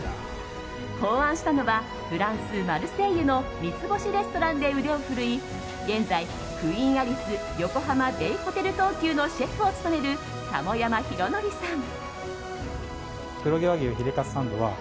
考案したのはフランス・マルセイユの三つ星レストランで腕を振るい現在、クイーン・アリス横浜ベイホテル東急のシェフを務める田面山博憲さん。